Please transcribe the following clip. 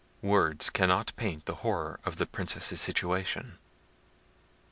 Words cannot paint the horror of the Princess's situation.